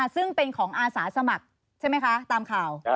ซึ่งเป็นของอาสาสมัครใช่ไหมคะตามข่าว